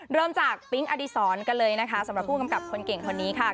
เริ่มจากปิ๊งอดีศรกันเลยนะคะสำหรับผู้กำกับคนเก่งคนนี้ค่ะ